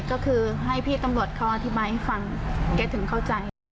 ก็คือให้พี่ตำรวจเขาอธิบายให้ฟังแกถึงเข้าใจ